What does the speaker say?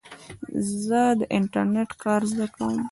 زه د انټرنېټ کار زده کوم.